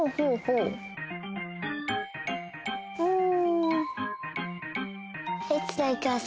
うん。